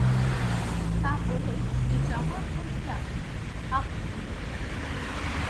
তা হলেই এই জগৎভেল্কি আপনি-আপনি ভেঙে যাবে।